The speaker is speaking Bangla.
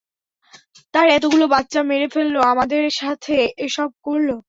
তার এতগুলো বাচ্চা মেরে ফেললো, আমাদের সাথে এসব করলো।